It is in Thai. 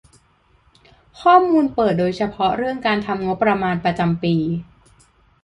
ข้อมูลเปิดโดยเฉพาะเรื่องการทำงบประมาณประจำปี